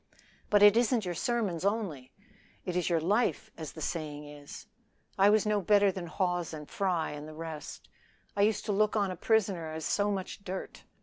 "But it isn't your sermons only it is your life, as the saying is. I was no better than Hawes and Fry and the rest. I used to look on a prisoner as so much dirt.